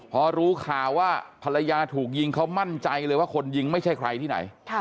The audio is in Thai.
พอรู้ข่าวว่าภรรยาถูกยิงเขามั่นใจเลยว่าคนยิงไม่ใช่ใครที่ไหน